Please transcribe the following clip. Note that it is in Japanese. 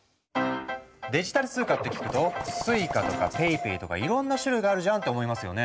デジタル通貨って聞くと「Ｓｕｉｃａ」とか「ＰａｙＰａｙ」とかいろんな種類があるじゃんって思いますよね？